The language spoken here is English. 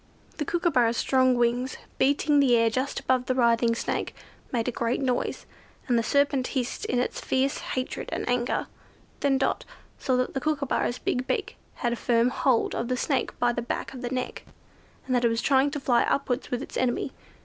The Kookooburra's strong wings, beating the air just above the writhing Snake, made a great noise, and the serpent hissed in its fierce hatred and anger. Then Dot saw that the Kookooburra's big beak had a firm hold of the Snake by the back of the neck, and that it was trying to fly upwards with its enemy.